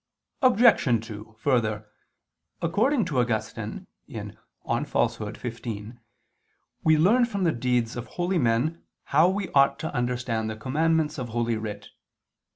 Obj. 2: Further, according to Augustine (De Mendacio xv), we learn from the deeds of holy men how we ought to understand the commandments of Holy Writ.